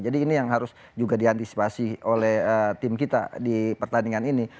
jadi ini yang harus diantisipasi oleh tim kita di pertandingan ini